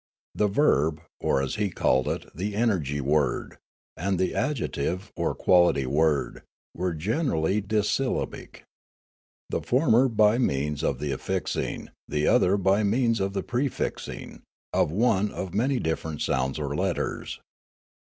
The verb, or as he called it, the energy word, and the adjective or quality word, were generally dissyllabic, the former by means of the affixing, the other bj means of the prefixing, of one of many different sounds or letters.